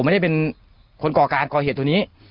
ไม่ได้เป็นคนก่อการก่อเหตุตัวนี้